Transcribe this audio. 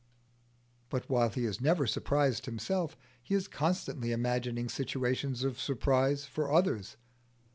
But while he is never surprised himself, he is constantly imagining situations of surprise for others.